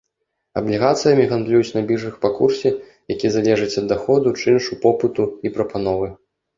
Аблігацыямі гандлююць на біржах па курсе, які залежыць ад даходу, чыншу, попыту і прапановы.